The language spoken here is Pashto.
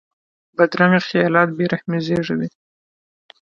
بدرنګه خیالات بې رحمي زېږوي